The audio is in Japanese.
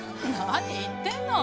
何言ってんの！